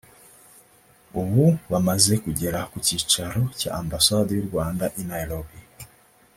ubu bamaze kugera ku cyicaro cya Ambasade y’u Rwanda i Nairobie